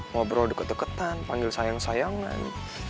ngobrol diket ketan panggil sayang sayangan